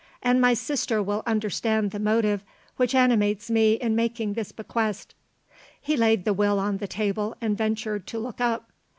"'And my sister will understand the motive which animates me in making this bequest."' He laid the Will on the table, and ventured to look up.